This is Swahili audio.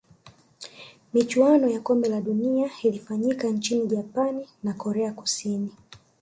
michuano ya kombe la dunia ilifanyika nchini japan na korea kusini